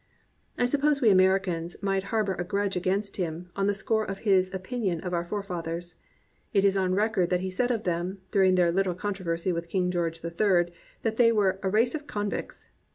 I suppose we Americans might harbour a grudge against him on the score of his opinion of our fore fathers. It is on record that he said of them, during their little controversy with King George III, that they were "a race of convicts."